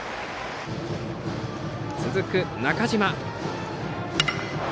続く中島。